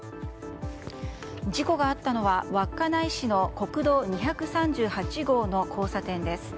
事故があったのは稚内市の国道２３８号の交差点です。